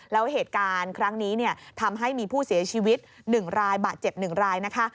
แล้วเหตุการณ์ครั้งนี้ทำให้มีผู้เสียชีวิต๑รายบาดเจ็บ๑รายนะคะ